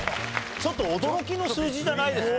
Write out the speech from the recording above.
ちょっと驚きの数字じゃないですか？